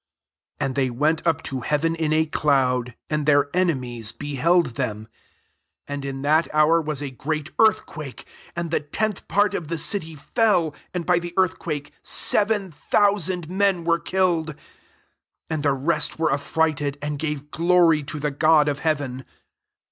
'* And they went up to heaven in a cloud; and their enemies b&* held them. 13 And in that hour was a great earthquake, and the tenth part of the city fell, and by the earthquake seven thousand men were killed ; and the rest were affrighted, and gave glory to the God of hea ven.